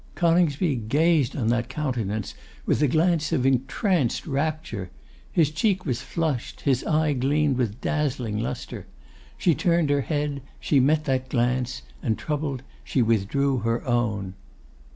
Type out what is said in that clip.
Coningsby gazed on that countenance with a glance of entranced rapture. His cheek was flushed, his eye gleamed with dazzling lustre. She turned her head; she met that glance, and, troubled, she withdrew her own.